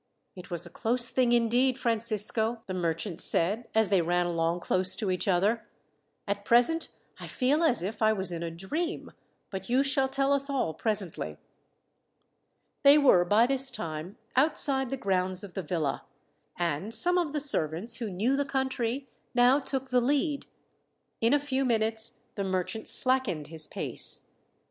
"It was a close thing, indeed, Francisco," the merchant said, as they ran along close to each other. "At present I feel as if I was in a dream; but you shall tell us all presently." They were, by this time, outside the grounds of the villa, and some of the servants, who knew the country, now took the lead. In a few minutes the merchant slackened his pace.